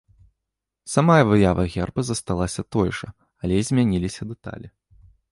Сама выява герба засталася той жа, але змяніліся дэталі.